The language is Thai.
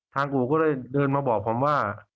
อู่ก็ได้เดินมาบอกผมว่า